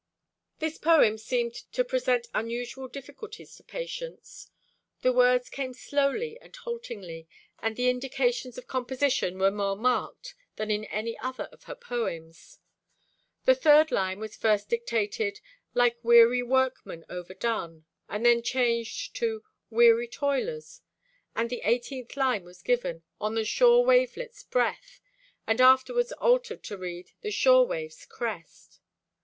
This poem seemed to present unusual difficulties to Patience. The words came slowly and haltingly, and the indications of composition were more marked than in any other of her poems. The third line was first dictated "Like weary workmen overdone," and then changed to "weary toilers," and the eighteenth line was given: "On the shore wavelet's breast," and afterwards altered to read "the shorewave's crest."